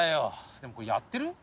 でもこれやってる？